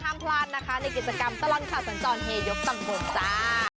ห้ามพลาดนะคะในกิจกรรมตลอดข่าวสัญจรเฮยกตำบลจ้า